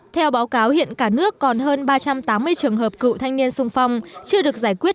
theo báo cáo hiện cả nước còn hơn ba trăm tám mươi trường hợp cựu thanh niên sung phong chưa được giải quyết